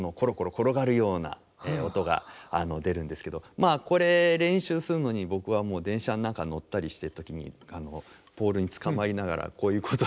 まあこれ練習するのに僕は電車の中乗ったりしてる時にポールにつかまりながらこういうことをやってましたね。